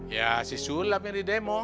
ya si sulam yang di demo